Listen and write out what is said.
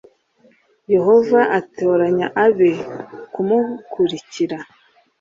Yehova azatoranya abe kumukurikira